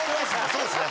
そうっすね。